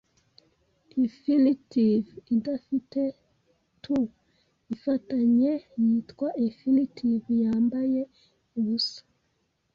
Infinitive idafite 'to' ifatanye yitwa infinitive yambaye ubusa.